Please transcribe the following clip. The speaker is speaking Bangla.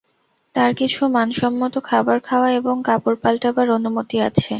তার কিছু মানসম্মত খাবার খাওয়া এবং কাপড় পাল্টাবার অনুমতি আছে?